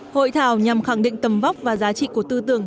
hội thảo nhằm khẳng định tầm vóc và giá trị của tư tưởng